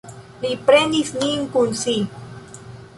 Li prenis nin kun si.